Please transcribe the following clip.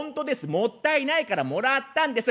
もったいないからもらったんです！